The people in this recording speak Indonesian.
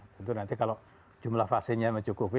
tentu nanti kalau jumlah vaksinnya mencukupi